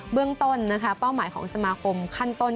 เบื้องต้นเป้าหมายของสมาคมคันต้น